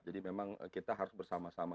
jadi memang kita harus bersama sama